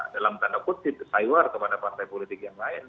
dalam tanda kutip cywar kepada partai politik yang lain